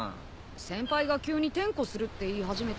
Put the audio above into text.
先輩が急に点呼するって言い始めてさ。